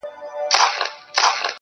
په عزت په شرافت باندي پوهېږي.